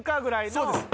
「そうです」